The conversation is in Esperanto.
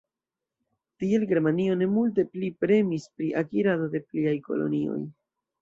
Tiel Germanio ne multe pli premis pri akirado de pliaj kolonioj.